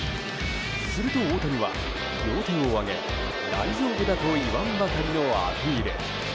すると大谷は、両手を上げ大丈夫だと言わんばかりのアピール。